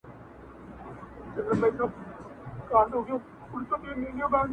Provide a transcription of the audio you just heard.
لېونتوب ته په خندا یې هر سړی وو-